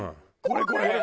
これこれ。